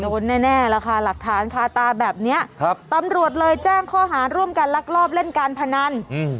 โดนแน่แน่แล้วค่ะหลักฐานคาตาแบบเนี้ยครับตำรวจเลยแจ้งข้อหาร่วมกันลักลอบเล่นการพนันอืม